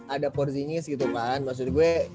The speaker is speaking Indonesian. ada porzinis gitu kan maksud gue